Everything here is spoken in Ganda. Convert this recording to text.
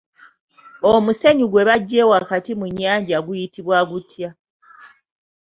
Omusenyu gwe baggye mu nnyanja wakati guyitibwa gutya?